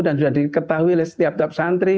dan sudah diketahui oleh setiap tiap santri